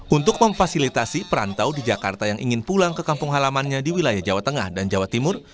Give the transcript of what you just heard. untuk memfasilitasi perantau di jakarta yang ingin pulang ke kampung halamannya di wilayah jawa tengah dan jawa timur